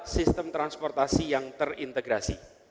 sistem transportasi yang terintegrasi